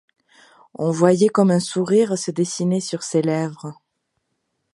On voyait comme un sourire se dessiner sur ses lèvres.